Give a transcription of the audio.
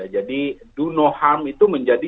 jadi do no harm itu menjadi